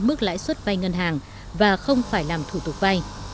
mức lãi suất vay ngân hàng và không phải làm thủ tục vay